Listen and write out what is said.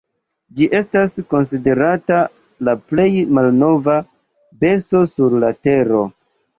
Ĝi estas konsiderata la plej malnova besto sur la Tero.